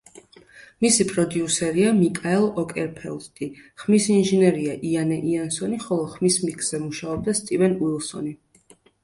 მისი პროდიუსერია მიკაელ ოკერფელდტი, ხმის ინჟინერია იანე იანსონი, ხოლო ხმის მიქსზე მუშაობდა სტივენ უილსონი.